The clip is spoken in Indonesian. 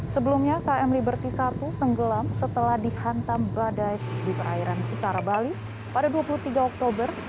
sebelumnya km liberty satu tenggelam setelah dihantam badai di perairan utara bali pada dua puluh tiga oktober